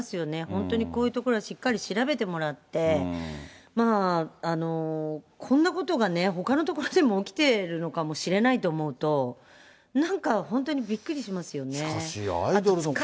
本当にこういうところはしっかり調べてもらって、こんなことがね、ほかの所でも起きてるのかもしれないと思うと、なんか、しかし、アイドルの。